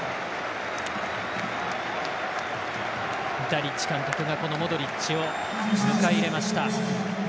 ダリッチ監督がモドリッチを迎え入れました。